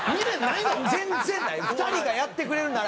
２人がやってくれるなら。